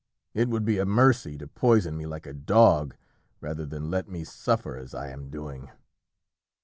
It would be a mercy to poison me like a dog, rather than let me suffer as I am doing."